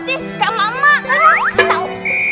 sih kayak mama tau